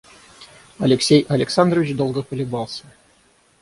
Алексей Александрович долго колебался.